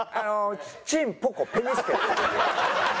チンポコペニ介。